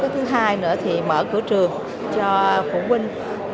thứ hai nữa thì mở cửa trường cho phụ huynh